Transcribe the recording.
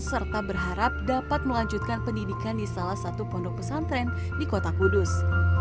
serta berharap dapat melanjutkan pendidikan di salah satu pondok pesantren di kota kudus